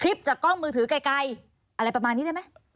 จากกล้องมือถือไกลอะไรประมาณนี้ได้ไหม